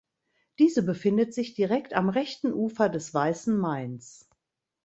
Diese befindet sich direkt am rechten Ufer des Weißen Mains.